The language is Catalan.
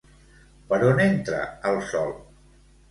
Per on entra el sol?